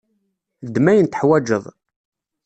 Ddem ayen tuḥwaǧeḍ.